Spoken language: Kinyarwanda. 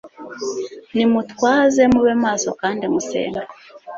nimutwaze mube maso kandi musenge